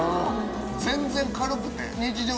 全然軽くて。